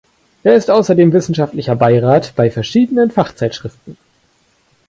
Er ist außerdem wissenschaftlicher Beirat bei verschiedenen Fachzeitschriften.